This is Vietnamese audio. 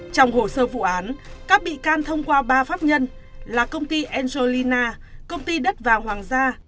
trong hồ sơ vụ án các bị can thông qua ba pháp nhân là công ty angelina công ty đất vàng hoàng gia